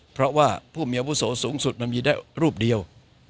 เพราะว่าผู้มีอาวุโสสูงสุดมันมีได้รูปเดียว